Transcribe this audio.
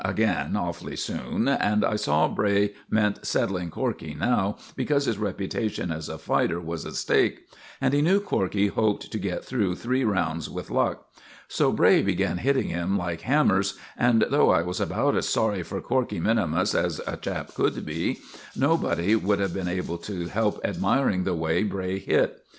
again awfully soon, and I saw Bray meant settling Corkey now, because his reputation as a fighter was at stake, and he knew Corkey hoped to get through three rounds with luck. So Bray began hitting him like hammers, and though I was about as sorry for Corkey minimus as a chap could be, nobody would have been able to help admiring the way Bray hit.